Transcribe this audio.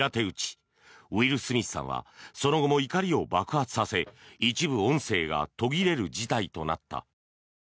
ウィル・スミスさんはその後も怒りを爆発させ一部、音声が途切れる事態となった。